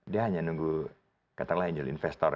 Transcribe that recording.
dia hanya nunggu katakanlah angel investor